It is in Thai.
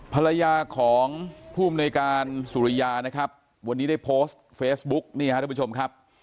ภรรยาของผู้อำนวยการสุริยานะครับวันนี้ได้โพสต์เฟซบุ๊กนี่ฮะทุกผู้ชมครับ